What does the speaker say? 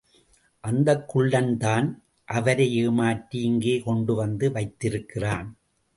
அந்தக் குள்ளன் தான் அவரை ஏமாற்றி இங்கே கொண்டு வந்து வைத்திருக்கிறான்.